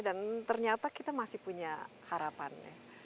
dan ternyata kita masih punya harapannya